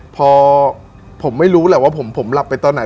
พอผมไม่รู้แหละว่าผมหลับไปตอนไหน